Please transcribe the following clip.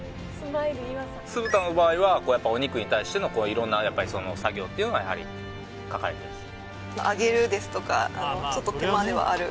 酢豚の場合はお肉に対しての色んな作業っていうのはやはり書かれてるんですね